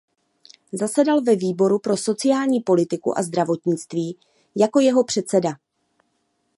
Zasedal ve výboru pro sociální politiku a zdravotnictví jako jeho předseda.